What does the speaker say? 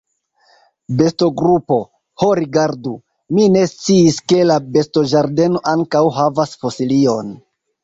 Bestogrupo: "Ho rigardu! Mi ne sciis ke la bestoĝardeno ankaŭ havas fosilion!"